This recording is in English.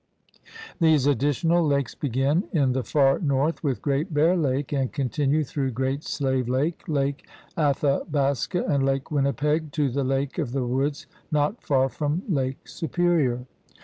These additional lakes begin in the far north with Great Bear Lake and continue through Great Slave Lake, Lake Athabasca, and Lake Winnipeg to the Lake of the Woods, not far from Lake Superior.